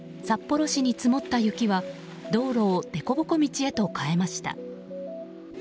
札幌市に積もった雪は道路をでこぼこ道へと変えました。